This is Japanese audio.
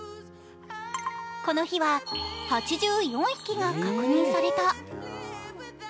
この日は８４匹が確認された。